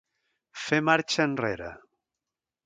Fer marxa enrere.